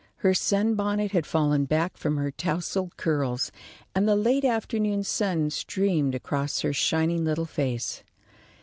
Her sunbonnet had fallen back from her tousled curls, and the late afternoon sun streamed across her shining little face.